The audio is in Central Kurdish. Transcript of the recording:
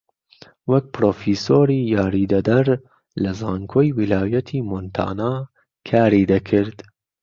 وەک پرۆفیسۆری یاریدەدەر لە زانکۆی ویلایەتی مۆنتانا کاری دەکرد